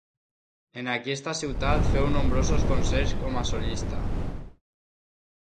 En aquesta ciutat féu nombrosos concerts com a solista.